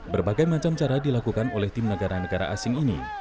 berbagai macam cara dilakukan oleh tim negara negara asing ini